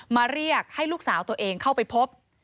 เรียกให้ลูกสาวตัวเองเข้าไปพบ